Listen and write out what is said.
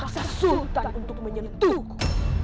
kau bisa paksa sultan untuk menyentuhku